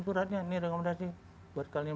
suratnya ini rekomendasi buat kami